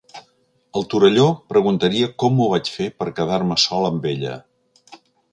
El Torelló preguntaria com m'ho vaig fer per quedar-me sol amb ella.